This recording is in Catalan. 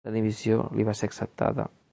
La dimissió li va ser acceptada.